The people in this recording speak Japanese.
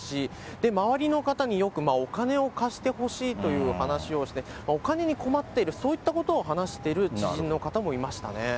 周りの方によくお金を貸してほしいという話をして、お金に困っている、そういったことを話している知人の方もいましたね。